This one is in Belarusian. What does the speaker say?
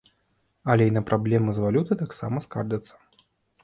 Але і на праблемы з валютай таксама скардзяцца.